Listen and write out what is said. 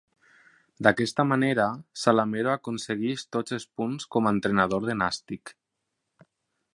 D'aquesta manera, Salamero aconsegueix tots els punts com a entrenador de Nàstic.